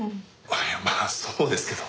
いやまあそうですけど。